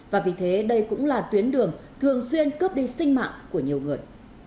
và vì thế đây cũng là tuyến đường thường xuyên cướp đi sinh mạng của nhiều người